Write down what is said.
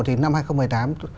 thì năm hai nghìn một mươi tám